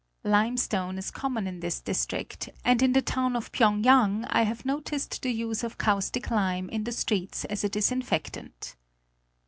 Limestone is common in this district, and in. the town of Phyéngyang I have noticed the use of caustic lime in the streets as a disinfectant.